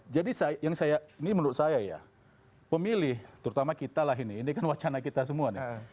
jadi ini menurut saya ya pemilih terutama kita lah ini ini kan wacana kita semua nih